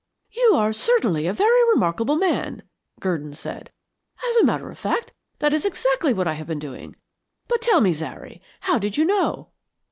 "You are certainly a very remarkable man," Gurdon said. "As a matter of fact, that is exactly what I have been doing. But tell me, Zary, how did you know?"